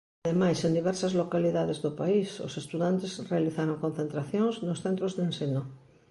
Ademais, en diversas localidades do país os estudantes realizaron concentracións nos centros de ensino.